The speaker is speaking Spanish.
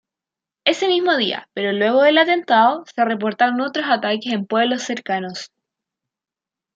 Ese mismo día, pero luego del atentado, se reportaron otros ataques en pueblos cercanos.